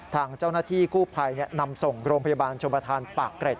ทางเจ้าหน้าที่กู้ภัยนำส่งโรงพยาบาลชมประธานปากเกร็ด